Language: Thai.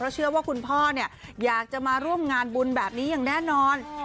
เชื่อว่าคุณพ่อเนี่ยอยากจะมาร่วมงานบุญแบบนี้อย่างแน่นอน